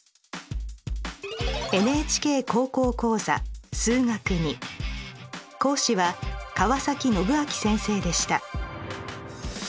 「ＮＨＫ高校講座数学Ⅱ」講師は川宣昭先生でした。